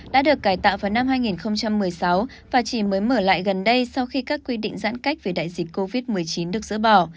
đã được cải tạo vào năm hai nghìn một mươi sáu và chỉ mới mở lại gần đây sau khi các quy định giãn cách về đại dịch covid một mươi chín được dỡ bỏ